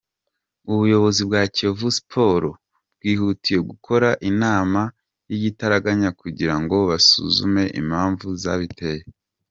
Ubuyobozi bwa Kiyovu Sports bwihutiye gukora inama y’igitaraganya kugira ngo basuzume impamvu zabiteye.